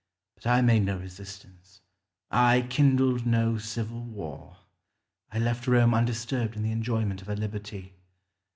But I made no resistance; I kindled no civil war; I left Rome undisturbed in the enjoyment of her liberty.